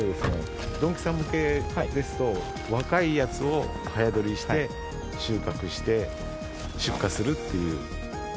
ドンキさん向けですと、若いやつを早取りして、収穫して、出荷するっていう。